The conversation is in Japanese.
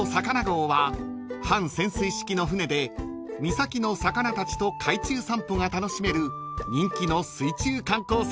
［半潜水式の船で三崎の魚たちと海中散歩が楽しめる人気の水中観光船です］